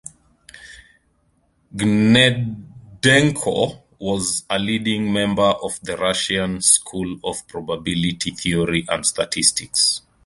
Gnedenko was a leading member of the Russian school of probability theory and statistics.